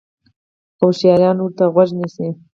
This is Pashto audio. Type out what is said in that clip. خو هوشیاران ورته غوږ نیسي.